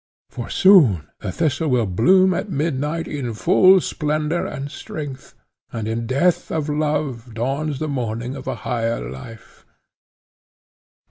For soon the Thistle will bloom at midnight in full splendour and strength, and in the death of love dawns the morning of a higher life.